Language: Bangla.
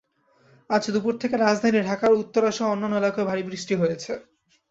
আজ দুপুরে থেকে রাজধানী ঢাকার উত্তরাসহ অন্যান্য এলাকায়ও ভারী বৃষ্টি হয়েছে।